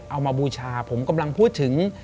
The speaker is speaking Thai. เอามาบูชาผมกำลังพูดถึง